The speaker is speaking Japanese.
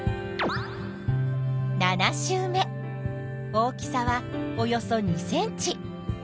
大きさはおよそ２ｃｍ。